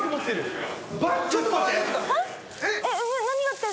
・ちょっと待って。